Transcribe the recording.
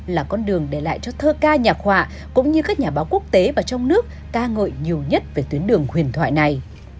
là con đường để lại cho thơ ca nhạc họa cũng như các nhà báo quốc tế và trong nước ca ngợi nhiều nhất về tuyến đường huyền thoại này